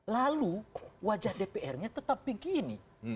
lalu wajah dpr nya tetap begini